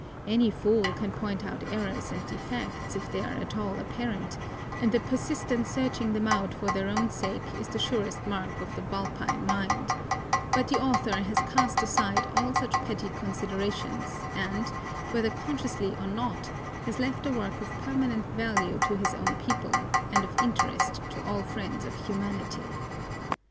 Any fool can point out errors and defects, if they are at all apparent, and the persistent searching them out for their own sake is the surest mark of the vulpine mind, but the author has east aside all such petty considerations and, whether consciously or not, has left a work of permanent value to his own people and of interest to all friends of humanity.